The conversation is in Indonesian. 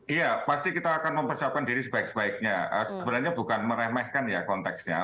iya pasti kita akan mempersiapkan diri sebaik sebaiknya sebenarnya bukan meremehkan ya konteksnya